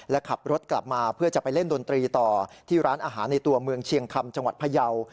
และขับรถกลับมาเพื่อจะไปเล่นดนตรีต่อที่ร้านอาหารในตัวเมืองเชียงคำจังหวัดพยาว